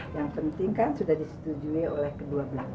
yang penting kan sudah disetujui oleh kedua belakangan